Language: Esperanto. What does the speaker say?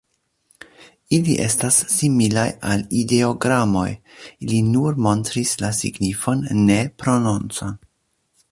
Ili estas similaj al ideogramoj: ili nur montris la signifon, ne prononcon.